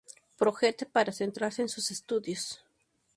Project para centrarse en sus estudios.